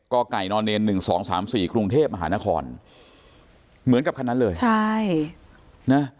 ก่อกไก่นอนเนนหนึ่งสองสามสี่คลุงเทพฯมหานครเหมือนกับคันนั้นเลยใช่นะ